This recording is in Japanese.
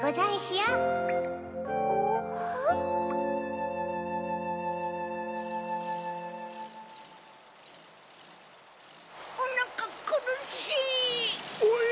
おなかくるしい！